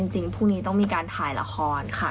จริงพรุ่งนี้ต้องมีการถ่ายละครค่ะ